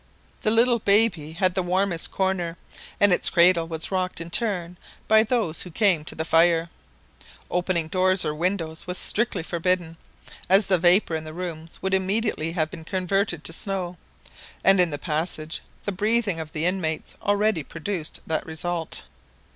The little baby had the warmest corner, and its cradle was rocked in turn by those who came to the fire. Opening doors or windows was strictly forbidden, as the vapour in the rooms would immediately have been converted into snow, and in the passage the breathing of the inmates already produced that result.